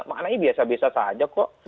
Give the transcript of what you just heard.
maknanya biasa biasa saja kok